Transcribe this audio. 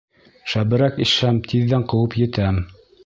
Шәберәк ишһәм, тиҙҙән ҡыуып етәм.